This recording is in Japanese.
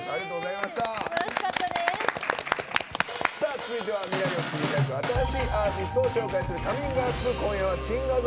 続いては未来の新しいアーティストを紹介する「ＣｏｍｉｎｇＵｐ！」のコーナー。